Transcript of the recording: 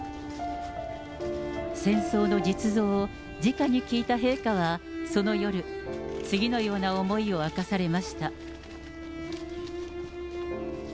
戦争の実像をじかに聞いた陛下はその夜、次のような思いを明かされました。